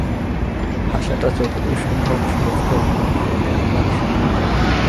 ভাষাটা যতদূর সম্ভব সহজ করবেন, তা হলেই আপনারা সফল হবেন।